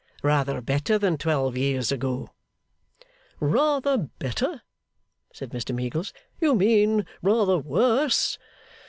Rather better than twelve years ago.' 'Rather better?' said Mr Meagles, 'you mean rather worse.